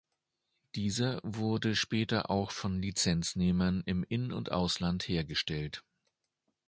Dieser wurde später auch von Lizenznehmern im In- und Ausland hergestellt.